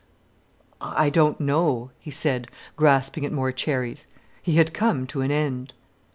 "I don't know," he said, grasping at more cherries. He had come to an end.